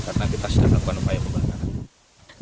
karena kita sudah melakukan upaya pembakaran